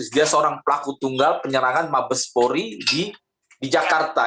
dia seorang pelaku tunggal penyerangan mabespori di jakarta